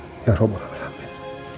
ya allah berhubungan dengan amin